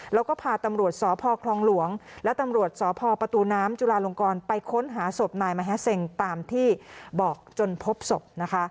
แล้วก็พาตำรวจสพคลองหลวงและตำรวจสพประตูน้ำจุลาลงกรไปค้นหาศพนายมะแฮสเซ็งตามที่บอกจนพบศพ